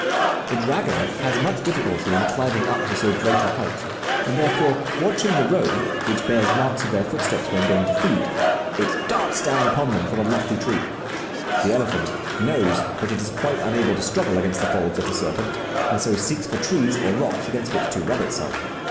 The dragon has much difficulty in climbing up to so great a height, and therefore, watching the road, which bears marks of their foot steps when going to feed, it darts down upon them from a lofty tree. The elephant knows that it is quite unable to struggle against the folds of the serpent, and so seeks for trees or rocks against which to rub itself.